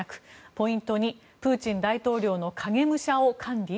ポイント２プーチン大統領の影武者を管理？